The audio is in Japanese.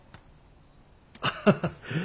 ハハハハ。